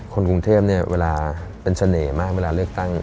คนกรุงเทพเนี่ยเวลาเป็นเสน่ห์มากเวลาเลือกตั้ง